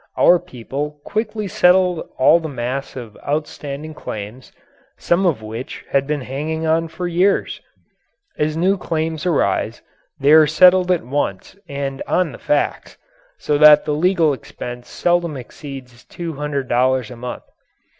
Our people quickly settled all the mass of outstanding claims, some of which had been hanging on for years. As new claims arise, they are settled at once and on the facts, so that the legal expense seldom exceeds $200 a month.